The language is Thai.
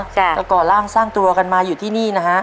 จะก่อร่างสร้างตัวกันมาอยู่ที่นี่นะฮะ